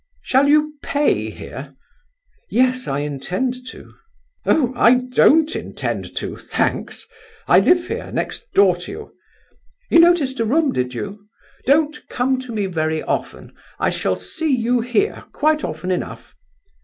"Shall you pay here?" "Yes, I intend to." "Oh! I don't intend to. Thanks. I live here, next door to you; you noticed a room, did you? Don't come to me very often; I shall see you here quite often enough.